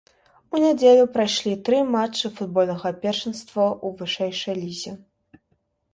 У нядзелю прайшлі тры матчы футбольнага першынства ў вышэйшай лізе.